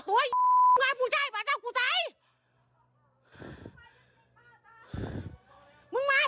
กูไม่ตอบต่อมึงว่าเม่น